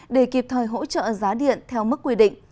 để kịp thời hỗ trợ giá điện theo mức quy định